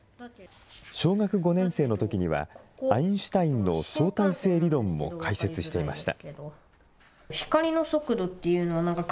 小学５年生のときには、アインシュタインの相対性理論も解説していました。